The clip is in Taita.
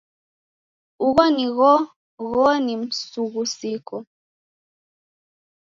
Ugho ni ghoghoni msughusiko.